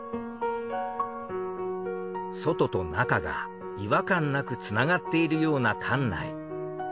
外と中が違和感なくつながっているような館内。